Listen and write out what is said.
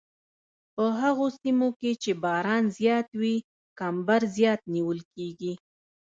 په هغو سیمو کې چې باران زیات وي کمبر زیات نیول کیږي